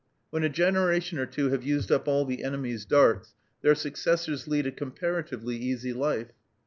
When a generation or two have used up all the enemies' darts, their successors lead a comparatively easy life.